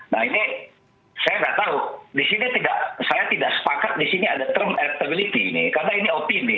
nah ini saya nggak tahu saya tidak sepakat di sini ada term electability karena ini opini